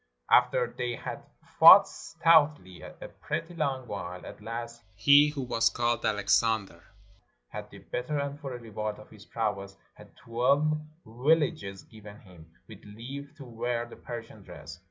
After they had fought stoutly a pretty long while, at last he who was called Alexander had the better, and for a reward of his prowess had twelve villages given him, with leave to wear the Persian dress.